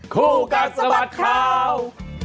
คู่กับสบัติค่าว